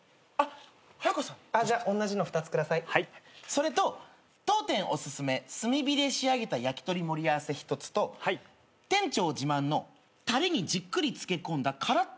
それと「当店オススメ炭火で仕上げた焼き鳥盛り合わせ」１つと「店長自慢のたれにじっくり漬け込んだからっと揚げたて唐揚げ」